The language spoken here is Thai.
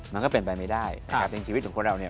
มันก็เป็นไปไม่ได้นะครับในชีวิตของคนเราเนี่ย